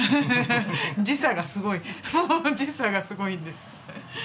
時差がすごい時差がすごいんですよ。